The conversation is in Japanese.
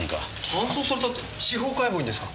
搬送されたって司法解剖にですか？